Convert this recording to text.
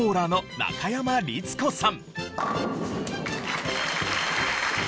中山律子さん」